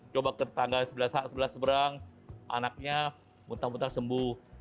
coba tetangga sebelah seberang anaknya muntah muntah sembuh